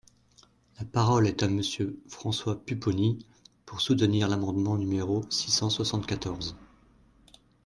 La parole est à Monsieur François Pupponi, pour soutenir l’amendement numéro six cent soixante-quatorze.